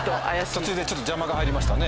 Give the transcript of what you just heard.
途中でちょっと邪魔が入りましたね。